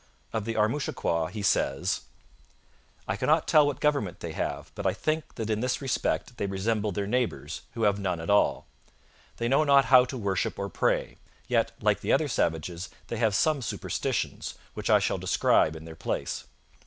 Of the Armouchiquois he says: I cannot tell what government they have, but I think that in this respect they resemble their neighbours, who have none at all. They know not how to worship or pray; yet, like the other savages, they have some superstitions, which I shall describe in their place.